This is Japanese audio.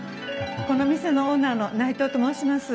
この店のオーナーの内藤と申します。